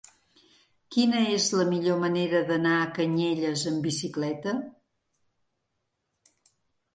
Quina és la millor manera d'anar a Canyelles amb bicicleta?